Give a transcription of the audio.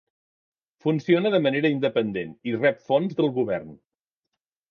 Funciona de manera independent i rep fons del govern.